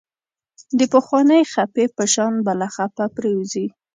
د پخوانۍ خپې په شان بله خپه پرېوځي.